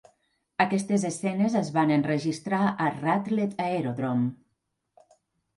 Aquestes escenes es van enregistrar a Radlett Aerodrome.